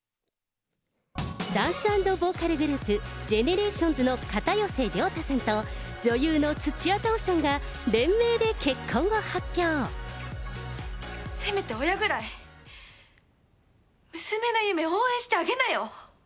ダンス＆ボーカルグループ、ＧＥＮＥＲＡＴＩＯＮＳの片寄涼太さんと、女優の土屋太鳳さんがせめて親ぐらい、娘の夢応援してあげなよ。